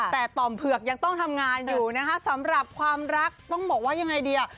แต่ต่อมเผือกยังต้องทำงานอยู่นะคะสำหรับความรักต้องบอกว่ายังไงดีอ่ะ